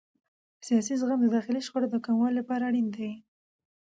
سیاسي زغم د داخلي شخړو د کمولو لپاره اړین دی